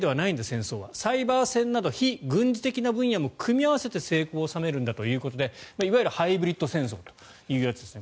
戦争はサイバー戦など非軍事的な分野も組み合わせて成功を収めるんだということでいわゆるハイブリッド戦争というやつです